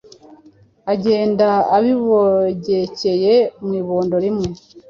agenda, abibogekeye mu ibondo rimwe.